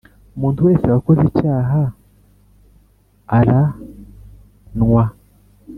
Umuntu wese wakoze icyaha araanwa